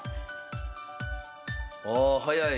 ああ早い。